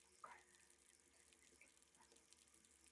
Okada debutaría en Impact!